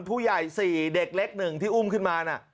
ผู้ใหญ่สี่เด็กเล็กหนึ่งที่อุ้มขึ้นมาน่ะ